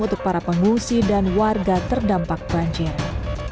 untuk para pengungsi dan warga terdampak banjir